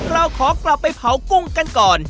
เราขอกลับไปเผากุ้งกันก่อน